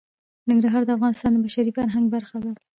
ننګرهار د افغانستان د بشري فرهنګ برخه ده.